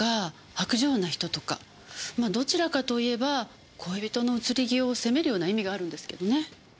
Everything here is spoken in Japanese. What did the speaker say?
まあどちらかと言えば恋人の移り気を責めるような意味があるんですけどね。